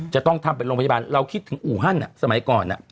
จะต้องทำเป็นโรงพยาบาลเราคิดถึงอู่ฮั่นสมัยก่อน